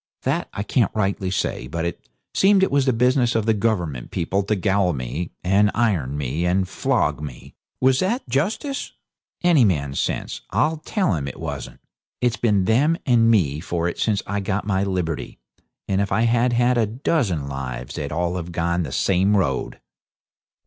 That I can't rightly say, but it seemed it was the business of the Government people to gaol me, and iron me, and flog me. Was that justice? Any man's sense 'll tell him it wasn't. It's been them and me for it since I got my liberty, and if I had had a dozen lives they'd all have gone the same road!'